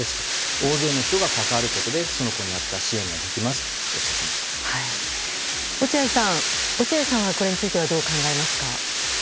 大勢の人が関わることでその子に合った支援ができますと落合さんは、これについてはどう考えますか？